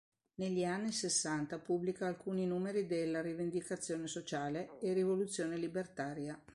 Negli anni Sessanta pubblica alcuni numeri de "La Rivendicazione Sociale" e "Rivoluzione Libertaria".